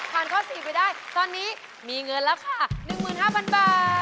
พันเข้า๔ไปได้ตอนนี้มีเงินราคา๑๕๐๐๐บาท